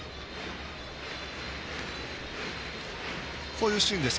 こういうシーンです。